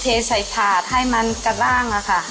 เทใส่ถาดให้มันกระด้างอะค่ะ